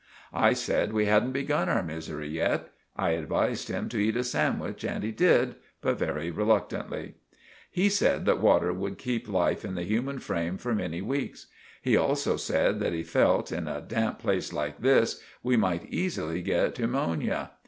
I said we hadn't begun our missery yet. I advised him to eat a sandwich and he did, but very reluctantly. He said that water would keep life in the human frame for many weeks. He also said that he fealt, in a damp place like this, we might eesily get pewmonia.